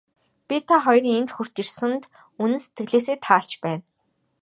Би та хоёрын энд хүрч ирсэнд үнэн сэтгэлээсээ таалж байна.